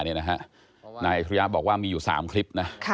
นายธุรยาบอกว่ามีอยู่๓คลิป